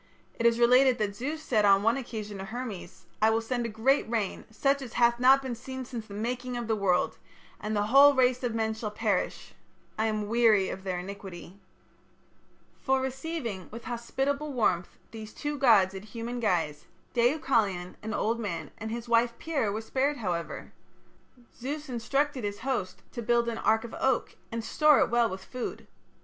It is related that Zeus said on one occasion to Hermes: "I will send a great rain, such as hath not been since the making of the world, and the whole race of men shall perish. I am weary of their iniquity." For receiving with hospitable warmth these two gods in human guise, Deucalion, an old man, and his wife Pyrrha were spared, however. Zeus instructed his host to build an ark of oak, and store it well with food.